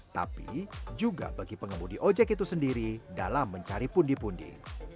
tapi juga bagi pengemudi ojek itu sendiri dalam mencari pundi pundi